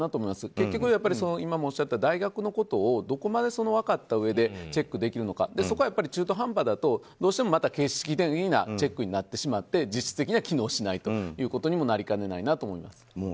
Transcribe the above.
結局、今もおっしゃった大学のことをどこまで分かったうえでチェックできるのかそこは中途半端だとどうしてもまた、形式的なチェックになってしまって実質的には機能しないということにもなりかねないなと思います。